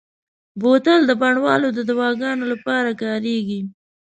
بوتل د بڼوالو د دواګانو لپاره کارېږي.